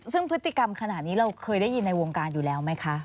ซึ่งพฤติกรรมขนาดนี้เราเคยได้ยินในวงการอยู่แล้วไหมคะ